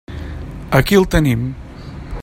Aquí el tenim.